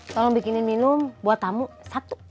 tolong bikinin minum buat tamu satu